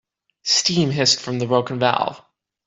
Steam hissed from the broken valve.